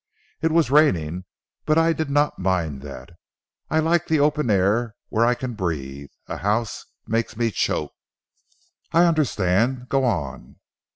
It was raining, but I did not mind that. I like the open air where I can breathe. A house makes me choke." "I understand. Go on."